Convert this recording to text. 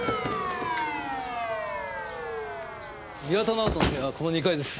宮田直人の部屋はこの２階です。